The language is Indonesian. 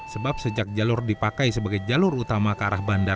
sebab sejak jalur dipakai sebagai jalur utama ke arah bandara